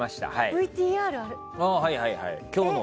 ＶＴＲある？